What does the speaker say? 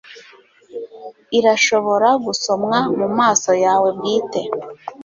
Irashobora gusomwa mumaso yawe bwite